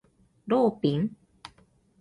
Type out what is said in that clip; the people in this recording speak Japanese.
ローピン